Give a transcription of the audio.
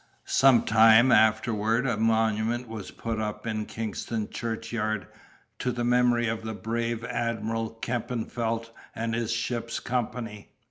Some time afterwards a monument was put up in Kingston churchyard, to the memory of the brave Admiral Kempenfelt and his ship's company.